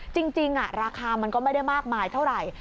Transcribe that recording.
จริงราคามันก็ไม่ได้มากมายเท่าไหร่